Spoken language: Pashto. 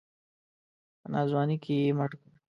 په ناځواني کې یې مړ کړ.